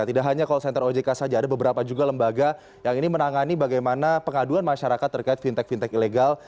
tidak hanya call center ojk saja ada beberapa juga lembaga yang ini menangani bagaimana pengaduan masyarakat terkait fintech fintech ilegal